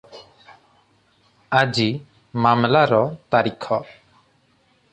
ଆଜି ମାମଲାର ତାରିଖ ।